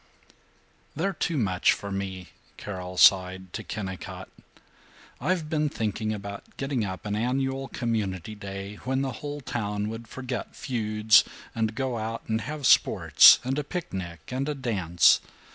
VIII "They're too much for me," Carol sighed to Kennicott. "I've been thinking about getting up an annual Community Day, when the whole town would forget feuds and go out and have sports and a picnic and a dance.